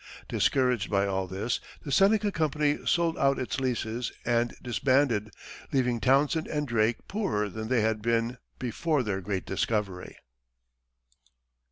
Discouraged by all this, the Seneca Company sold out its leases and disbanded, leaving Townsend and Drake poorer than they had been before their great discovery.